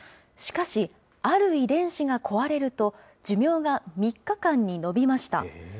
しかし、ある遺伝子が壊れると、寿命が３日間に延びました。